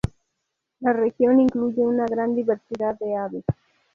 La región incluye una gran diversidad de aves.